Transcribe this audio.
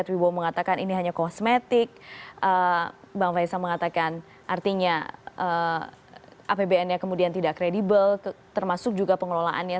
pak prabowo mengatakan ini hanya kosmetik bang faisal mengatakan artinya apbn nya kemudian tidak kredibel termasuk juga pengelolaannya